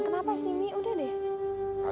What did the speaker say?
sama apa sih umi udah deh